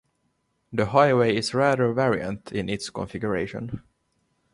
The highway is rather variant in its configuration.